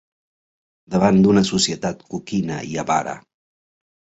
Davant d'una societat coquina i avara